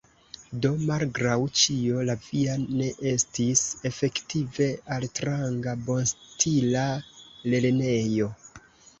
Do, malgraŭ ĉio, la via ne estis efektive altranga, bonstila lernejo.